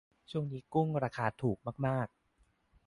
ช่วงนี้กุ้งราคาถูกมากมาก